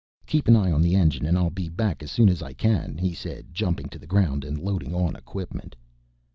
"Keep an eye on the engine and I'll be back as soon as I can," he said, jumping to the ground and loading on equipment.